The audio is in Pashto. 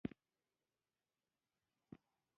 افغانستان د خپلو ژورو سرچینو په اړه ګڼې علمي څېړنې لري.